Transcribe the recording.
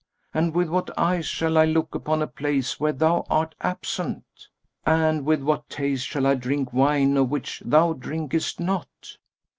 and with what eyes shall I look upon a place where thou art absent? and with what taste shall I drink wine of which thou drinkest not?"